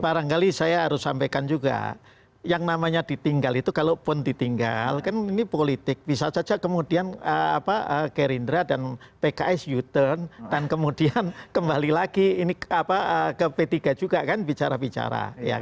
barangkali saya harus sampaikan juga yang namanya ditinggal itu kalaupun ditinggal kan ini politik bisa saja kemudian gerindra dan pks you turn dan kemudian kembali lagi ini ke p tiga juga kan bicara bicara